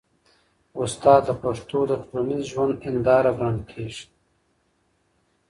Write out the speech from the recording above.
استاد د پښتنو د ټولنیز ژوند هنداره ګڼل کېږي.